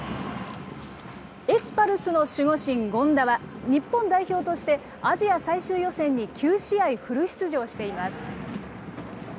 エスパルスの守護神、権田は日本代表としてアジア最終予選に９試合フル出場しています。